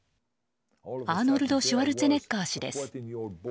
アーノルド・シュワルツェネッガー氏です。